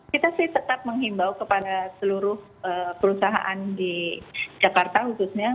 kita sih tetap menghimbau kepada seluruh perusahaan di jakarta khususnya